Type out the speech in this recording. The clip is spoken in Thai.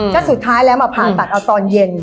ก็สุดท้ายแล้วมาผ่าตัดเอาตอนเย็น